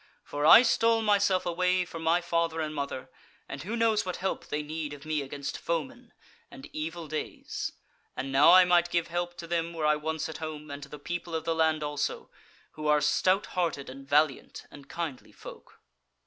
For I stole myself away from my father and mother, and who knows what help they need of me against foemen, and evil days; and now I might give help to them were I once at home, and to the people of the land also, who are a stout hearted and valiant and kindly folk."